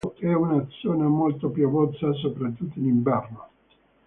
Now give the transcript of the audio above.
È una zona molto piovosa, soprattutto in inverno.